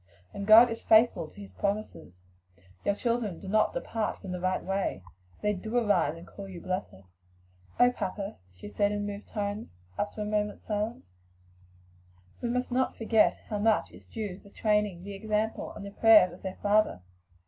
And God is faithful to his promises your children do not depart from the right way; they do arise and call you blessed." "Papa," she said, in moved tones, after a moment's silence, "we must not forget how much is due to the training, the example, and the prayers of their father."